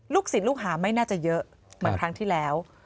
ศิลปลูกหาไม่น่าจะเยอะเหมือนครั้งที่แล้ว